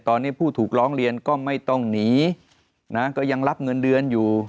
ตอนนี้ผู้ถูกร้องเรียนก็ไม่ต้องหนีนะก็ยังรับเงินเดือนอยู่